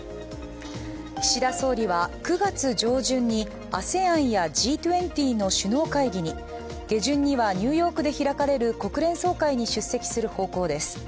岸田総理は９月上旬にＡＳＥＡＮやＧ２０の首脳会議に下旬にはニューヨークで開かれる国連総会に出席する方向です。